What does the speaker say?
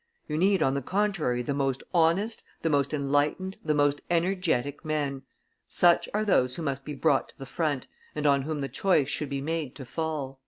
You need, on the contrary, the most honest, the most enlightened, the most energetic men. Such are those who must be brought to the front, and on whom the choice should be made to fall."